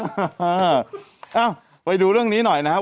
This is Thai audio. เอ้าไปดูเรื่องนี้หน่อยนะครับ